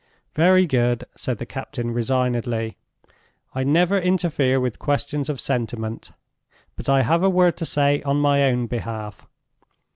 "Very good," said the captain, resignedly. "I never interfere with questions of sentiment. But I have a word to say on my own behalf.